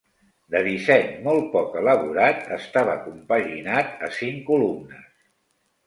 De disseny molt poc elaborat, estava compaginat a cinc columnes.